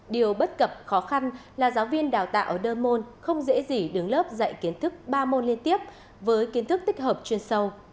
điều bất cập khó khăn là giáo viên đào tạo ở đơn môn không dễ gì đứng lớp dạy kiến thức ba môn liên tiếp với kiến thức tích hợp chuyên sâu